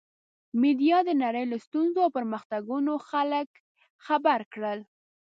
میډیا د نړۍ له ستونزو او پرمختګونو خلک خبر کړل.